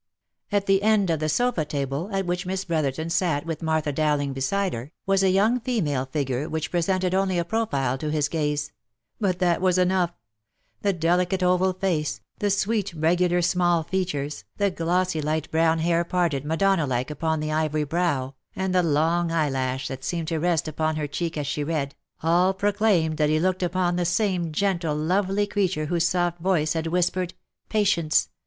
At the end of the sofa table, at which Miss Brotherton sat with Martha Dowling beside her, was a young female figure which pre sented only a profile to his gaze — But that was enough — the delicate oval face," the sweet regular small features, the glossy light brown hair parted Madonna like upon the ivory brow, and the long eyelash that seemed to rest upon her cheek as she read, all proclaimed that he looked upon the same gentle lovely creature whose soft voice had whispered " patience